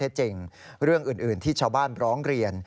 จริงเรื่องอื่นที่ชาวบ้านร้องเรียน